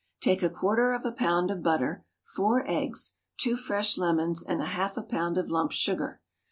Take a quarter of a pound of butter, four eggs, two fresh lemons, and half a pound of lump sugar.